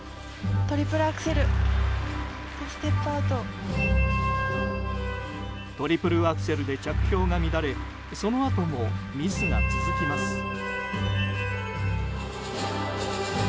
トリプルアクセルで着氷が乱れそのあともミスが続きます。